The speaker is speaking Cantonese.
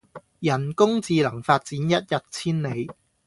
人工智能發展一日千里